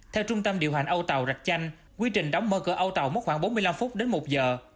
theo trung tâm điều hành âu tàu rạch chanh quy trình đóng mở cửa âu tàu mất khoảng bốn mươi năm phút đến một giờ